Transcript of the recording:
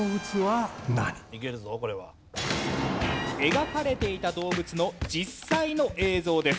描かれていた動物の実際の映像です。